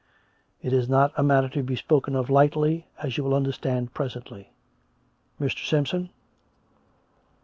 It is not a matter to be spoken of lightly, as you will understand presently. ... Mr, Simpson."